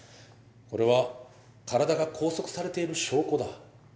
これは体が拘束されている証拠だ。